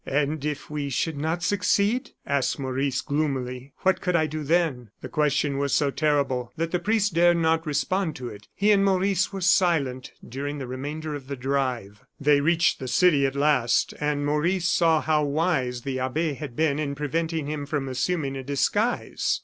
"And if we should not succeed," asked Maurice, gloomily, "what could I do then?" The question was so terrible that the priest dared not respond to it. He and Maurice were silent during the remainder of the drive. They reached the city at last, and Maurice saw how wise the abbe had been in preventing him from assuming a disguise.